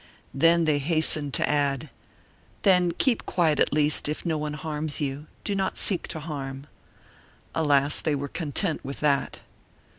Then they hastened to add: "Then keep quiet, at least; if no one harms you, do not seek to harm." Alas! they were content with that.